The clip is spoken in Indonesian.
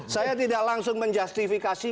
saya tidak langsung menjustifikasi